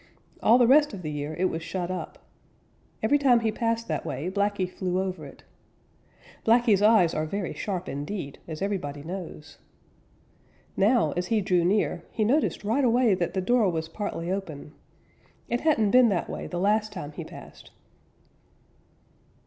All the rest of the year it was shut up. Every time he passed that way Blacky flew over it. Blacky's eyes are very sharp indeed, as everybody knows. Now, as he drew near, he noticed right away that the door was partly open. It hadn't been that way the last time he passed.